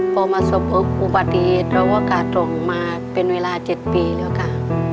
พอมาสมบูรณ์อุปถีเราก็กาดลงมาเป็นเวลา๗ปีแล้วค่ะ